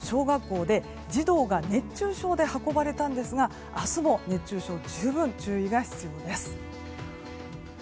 今日も兵庫の小学校で児童が熱中症で運ばれたんですが、明日も熱中症に十分注意が必要です。